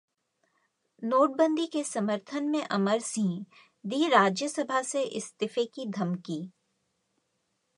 नोटबंदी के समर्थन में अमर सिंह, दी राज्यसभा से इस्तीफे की धमकी